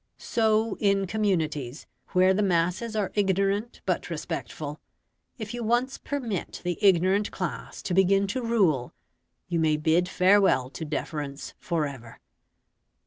So in communities where the masses are ignorant but respectful, if you once permit the ignorant class to begin to rule you may bid farewell to deference for ever.